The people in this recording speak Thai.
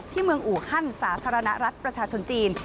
ที่เมืองอุขั้นสาธารณะรัฐประชาชนจีน